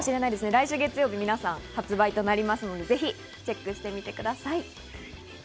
来週月曜日、皆さん発売となるので、ぜひチェックしてみてください。